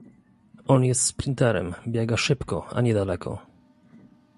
On jest sprinterem, biega szybko a nie daleko.